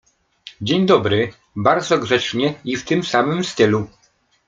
— Dzień dobry — bardzo grzecznie i w tym samym stylu.